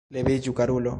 Leviĝu, karulo!